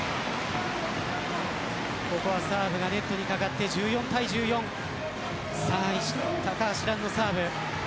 サーブがネットに掛かって１４対１４高橋藍のサーブ。